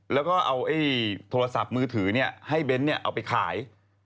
แล้วก็เอาโทรศัพท์มือถือให้เบ้นเอาไปขาย